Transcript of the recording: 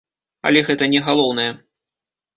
Але гэта не галоўнае.